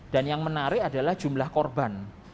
dan yang menarik adalah jumlah korban